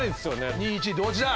２位１位同時だ。